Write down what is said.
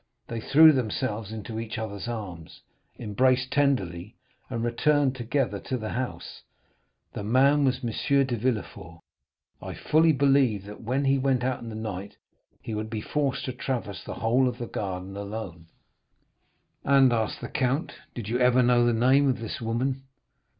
They threw themselves into each other's arms, embraced tenderly, and returned together to the house. The man was M. de Villefort; I fully believed that when he went out in the night he would be forced to traverse the whole of the garden alone." 20291m "And," asked the count, "did you ever know the name of this woman?"